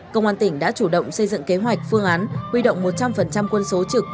công an tỉnh đã chủ động xây dựng kế hoạch phương án huy động một trăm linh quân số trực